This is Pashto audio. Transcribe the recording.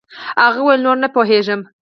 هغه وويل نور نه پوهېږم.